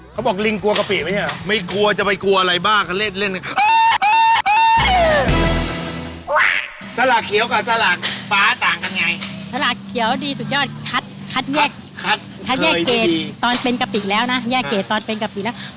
เค้าบอกลิงกลัวกะปิดหรืออย่างเนี้ย